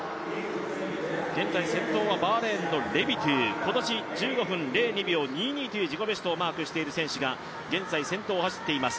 現在、先頭はバーレーンのレビトゥ今シーズン１５分０２秒２２という自己ベストをマークしている選手が現在先頭を走っています。